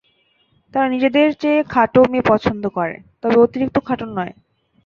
তাঁরা নিজেদের চেয়ে খাটো মেয়ে পছন্দ করেন, তবে অতিরিক্ত খাটো নয়।